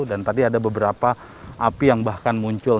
dan tadi ada beberapa api yang bahkan muncul